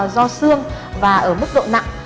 do xương và ở mức độ nặng